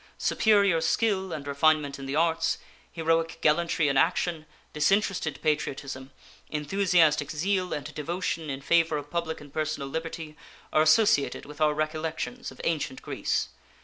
Superior skill and refinement in the arts, heroic gallantry in action, disinterested patriotism, enthusiastic zeal and devotion in favor of public and personal liberty are associated with our recollections of ancient Greece.